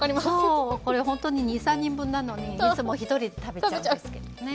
そうこれほんとに２３人分なのにいつも１人で食べちゃうんですけどね。